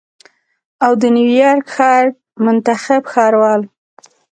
او د نیویارک ښار منتخب ښاروال